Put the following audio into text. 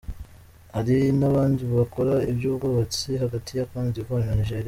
Hari n’abandi bakora iby’ubwubatsi hagati ya Côte d’Ivoire na Nigeria.